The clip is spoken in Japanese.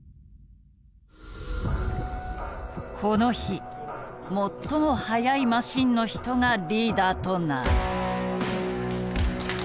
この日最も速いマシンの人がリーダーとなる。